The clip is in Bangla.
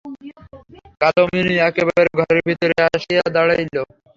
কাদম্বিনী একেবারে ঘরের ভিতরে আসিয়া দাঁড়াইল।